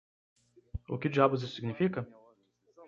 O que diabos isso significa?